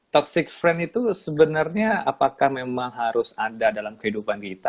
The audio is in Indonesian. toxic friend itu sebenarnya apakah memang harus ada dalam kehidupan kita